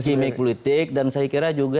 gimmick politik dan saya kira juga